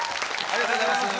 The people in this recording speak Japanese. ありがとうございます。